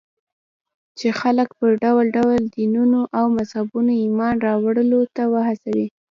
چې خلک پر ډول ډول دينونو او مذهبونو ايمان راوړلو ته وهڅوي.